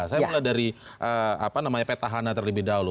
saya mulai dari apa namanya petahana terlebih dahulu